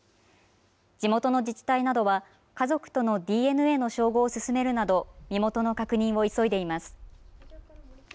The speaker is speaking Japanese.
地元の自治体などは、家族とのＤＮＡの照合を進めるなど、身元の確認を急いでいます。